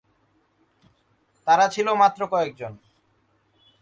তারা ছিলেন মাত্র কয়েকজন।